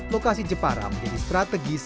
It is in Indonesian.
lokasi jepara menjadi strategis